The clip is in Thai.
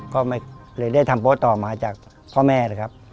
ก็เลยได้ทำโป๊ตต่อมาจากพ่อแม่เลยครับ